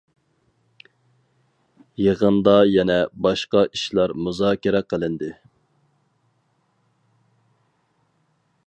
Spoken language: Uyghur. يىغىندا يەنە باشقا ئىشلار مۇزاكىرە قىلىندى.